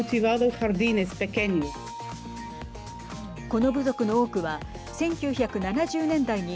この部族の多くは１９７０年代に